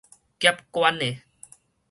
劫棺的